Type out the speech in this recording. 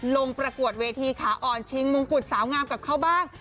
ประกวดเวทีขาอ่อนชิงมงกุฎสาวงามกับเขาบ้าง